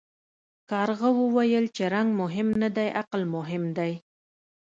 کارغه وویل چې رنګ مهم نه دی عقل مهم دی.